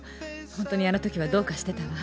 本当にあの時はどうかしてたわ。